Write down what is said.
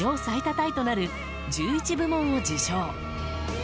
タイとなる１１部門を受賞。